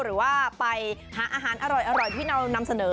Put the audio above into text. หรือว่าไปหาอาหารอร่อยที่เรานำเสนอ